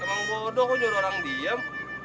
emang bodoh kok nyuruh orang diem